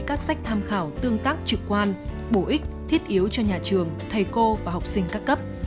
các sách tham khảo tương tác trực quan bổ ích thiết yếu cho nhà trường thầy cô và học sinh các cấp